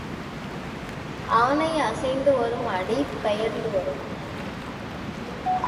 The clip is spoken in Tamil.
ஆனை அசைந்து வரும் அடி பெயர்ந்து வரும்.